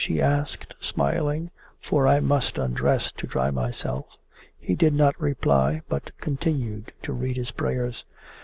she asked, smiling. 'For I must undress to dry myself.' He did not reply, but continued to read his prayers.